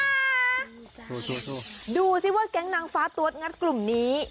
ดูสิว่าแก๊งนางฟ้าตัวงัดกลุ่มนี้